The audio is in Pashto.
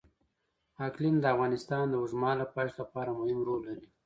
اقلیم د افغانستان د اوږدمهاله پایښت لپاره مهم رول لري.